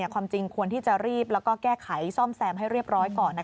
ความจริงควรที่จะรีบแล้วก็แก้ไขซ่อมแซมให้เรียบร้อยก่อน